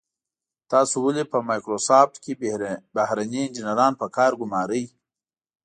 تاسو ولې په مایکروسافټ کې بهرني انجنیران په کار ګمارئ.